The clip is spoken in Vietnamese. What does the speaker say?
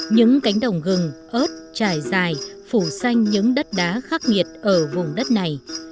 những cánh đồng gừng ớt trải dài phủ xanh những đất đá khắc nghiệt ở vùng đất này